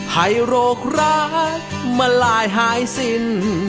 ให้โรครักมาลายหายสิ้น